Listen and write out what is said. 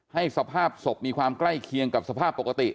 สภาพศพมีความใกล้เคียงกับสภาพปกติ